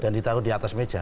dan ditaruh di atas meja